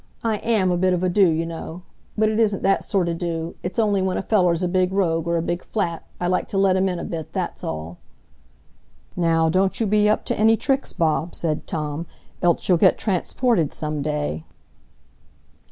I am a bit of a Do, you know; but it isn't that sort o' Do,—it's on'y when a feller's a big rogue, or a big flat, I like to let him in a bit, that's all." "Now, don't you be up to any tricks, Bob," said Tom, "else you'll get transported some day."